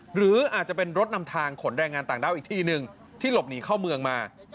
หรืออาจจะเป็นรถนำทางขนแรงงานต่างด้าวอีกที่หนึ่งที่หลบหนีเข้าเมืองมา